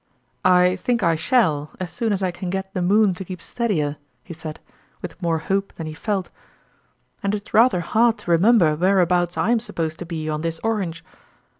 " I think I shall, as soon as I can get the moon to keep steadier," he said, with more hope than he felt ;" and it's rather hard to re member whereabouts I am supposed to be on this orange."